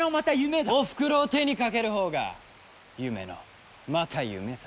おふくろを手にかけるほうが夢のまた夢さ。